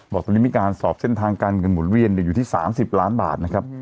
บอกตอนนี้มีการสอบเส้นทางการเงินหมุนเวียนอยู่ที่๓๐ล้านบาทนะครับ